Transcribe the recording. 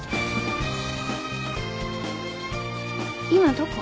今どこ？